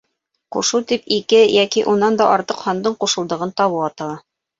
Ҡушыу тип ике, йәки, унан да артыҡ һандың ҡушылдығын табыу атала